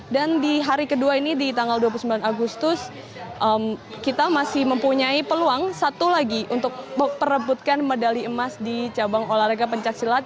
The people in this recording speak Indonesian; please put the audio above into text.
dan di hari kedua ini di tanggal dua puluh sembilan agustus kita masih mempunyai peluang satu lagi untuk merebutkan medali emas di cabang olahraga pencaksilat